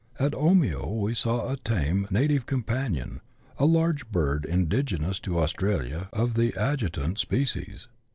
At Omio we saw a tame " native companion," a large bird indigenous to Australia, of the adjutant species.